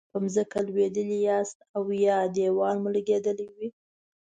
په ځمکه لویدلي یاستئ او یا دیوال مو لګیدلی وي.